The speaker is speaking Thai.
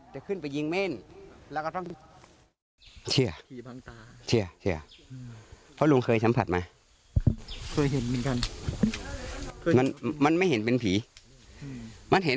แต่คิดว่ามีแน่ตอนนั้น